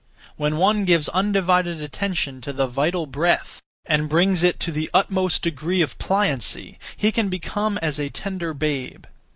When one gives undivided attention to the (vital) breath, and brings it to the utmost degree of pliancy, he can become as a (tender) babe.